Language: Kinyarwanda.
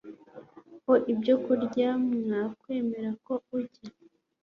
ho ibyokurya Mwakwemera ko ujya